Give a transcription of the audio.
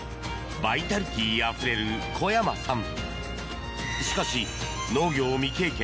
バイタリティーあふれる小山さん。